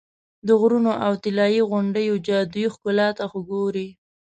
د غرونو او طلایي غونډیو جادویي ښکلا ته خو ګورې.